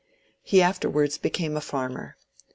He afterwards became a farmer.